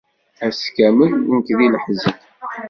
Ass kamel, nekk di leḥzen.